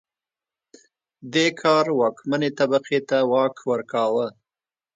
دې کار واکمنې طبقې ته واک ورکاوه